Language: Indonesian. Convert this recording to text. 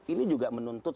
ini juga menuntut